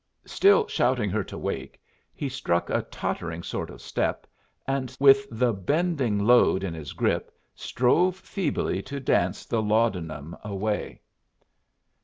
Still shouting her to wake, he struck a tottering sort of step, and so, with the bending load in his grip, strove feebly to dance the laudanum away.